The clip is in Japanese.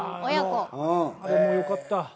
あれもよかった。